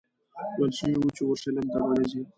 ویل شوي وو چې اورشلیم ته به نه ځې.